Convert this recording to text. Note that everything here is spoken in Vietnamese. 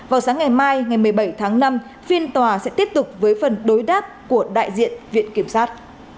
vào sáng ngày mai ngày một mươi bảy tháng năm phiên tòa sẽ tiếp tục với phần đối đáp của đại diện viện kiểm sát